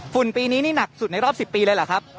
ปีนี้นี่หนักสุดในรอบ๑๐ปีเลยเหรอครับ